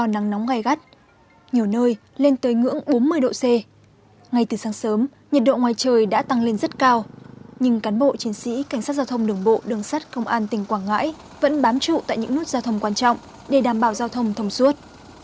nhật độ ngoài trời đã tăng lên rất cao nhưng cán bộ chiến sĩ cảnh sát giao thông đường bộ đường sách công an tỉnh quảng ngãi vẫn bám trụ tại những nút giao thông quan trọng để đảm bảo giao thông thông suốt